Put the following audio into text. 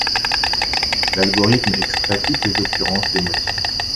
L'algorithme extrait toutes les occurrences des motifs.